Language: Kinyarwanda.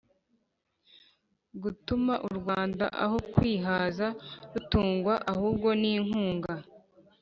gutuma u Rwanda aho kwihaza rutungwa ahubwo n inkunga